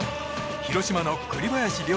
広島の栗林良吏。